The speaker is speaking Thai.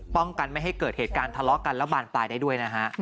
ป้องกันไม่ให้เกิดเหตุการณ์ทะเลาะกันและบานปลายได้ด้วยนะฮะ